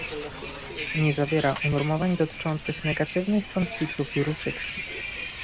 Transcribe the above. Nie zawiera unormowań dotyczących negatywnych konfliktów jurysdykcji